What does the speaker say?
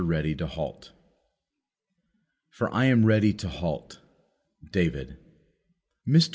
READY TO HALT "For I am ready to halt." David. Mr.